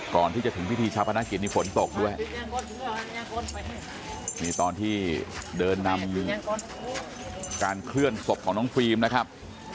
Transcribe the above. ก่อนที่จะถึงพิธีชาพนักกิจนี่ฝนตกด้วยนี่ตอนที่เดินนำการเคลื่อนศพของน้องฟิล์มนะครับ